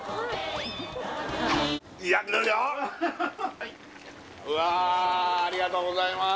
はいうわーありがとうございます